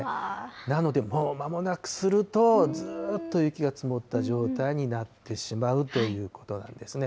なのでもうまもなくすると、ずっと雪が積もった状態になってしまうということなんですね。